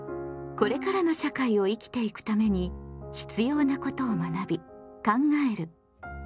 これからの社会を生きていくために必要なことを学び考える「公共」。